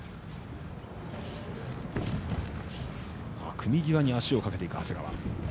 組み際に足をかけていく長谷川。